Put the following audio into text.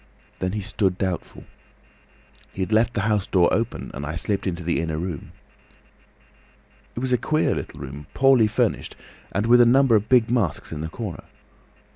Then he stood doubtful. He had left the house door open and I slipped into the inner room. "It was a queer little room, poorly furnished and with a number of big masks in the corner.